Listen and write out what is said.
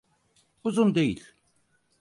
Uzun değil.